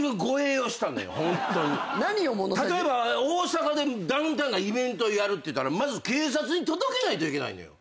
例えば大阪でダウンタウンがイベントやるっていったらまず警察に届けないといけないのよ。